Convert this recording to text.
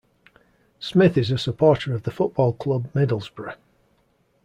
Smith is a supporter of the football club Middlesbrough.